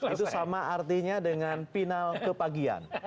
itu sama artinya dengan final kebagian